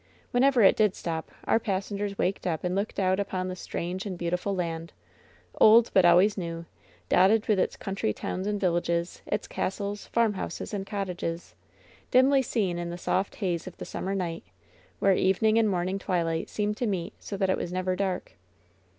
Whenever it did stop, our passengers waked up and looked out upon the strange and beautiful land — old, but always new — dotted with its country towns and villages, its castles, farmhouses and cottages, dimly seen in the soft haze of the summer night, where evening and morn ing twilight seemed to meet so that it was never dark.